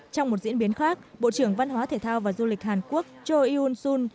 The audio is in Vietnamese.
trong một diễn biến khác bộ trưởng văn hóa thể thao và du lịch hàn quốc cho yun sun